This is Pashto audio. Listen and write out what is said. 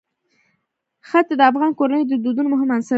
ښتې د افغان کورنیو د دودونو مهم عنصر دی.